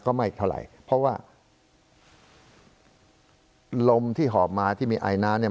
ไม่เท่าไหร่เพราะว่าลมที่หอบมาที่มีไอน้ำเนี่ย